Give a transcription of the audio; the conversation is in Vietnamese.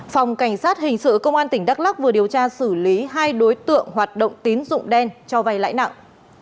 phòng cảnh sát hình sự công an tỉnh đắk lắc vừa điều tra xử lý hai đối tượng hoạt động tín dụng đen cho vay lãi nặng